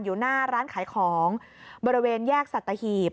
อยู่หน้าร้านขายของบริเวณแยกสัตหีบ